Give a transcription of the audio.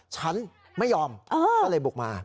ฉันไม่ยอมก็เลยบุกมา